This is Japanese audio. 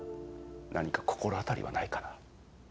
何か心当たりはないかな？